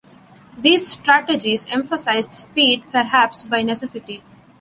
These strategies emphasized speed, perhaps by necessity.